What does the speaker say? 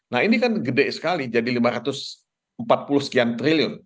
nah ini kan gede sekali jadi lima ratus empat puluh sekian triliun